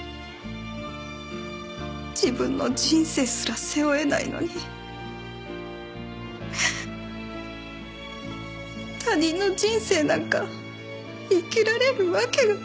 自分の人生すら背負えないのに他人の人生なんか生きられるわけがなかった。